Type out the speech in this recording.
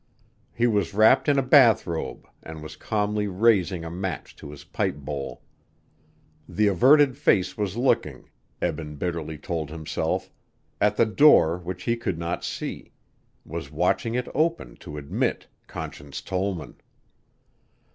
He was wrapped in a bathrobe and was calmly raising a match to his pipe bowl. The averted face was looking, Eben bitterly told himself, at the door which he could not see; was watching it open to admit Conscience Tollman.